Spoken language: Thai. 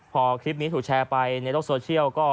พอคลิปนี้ถูกแชร์ไปในโลกโซเชียล